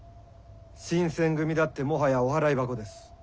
新選組だってもはやお払い箱です。